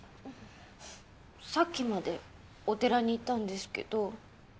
さっきまでお寺にいたんですけど。